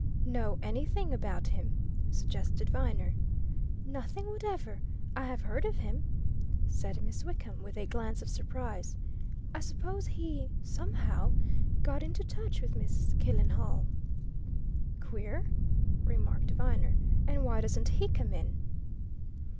"Know anything about him?" suggested Viner. "Nothing whatever! I have heard of him," said Miss Wickham with a glance of surprise. "I suppose he somehow got into touch with Miss Killenhall." "Queer!" remarked Viner. "And why doesn't he come in?"